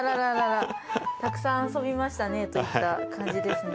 たくさん遊びましたねといった感じですね。